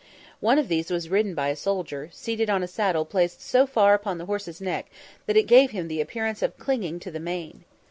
One of these was ridden by a soldier, seated on a saddle placed so far upon the horse's neck, that it gave him the appearance of clinging to the mane.